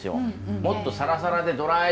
もっとサラサラでドライで。